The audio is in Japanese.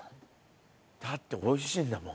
だって美味しいんだもん。